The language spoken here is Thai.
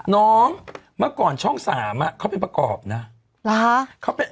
น้องมาก่อนช่อง๓อะเขาเป็นประกอบนะล่ะ